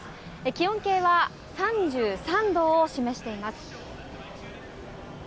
気温計は３３度を示しています。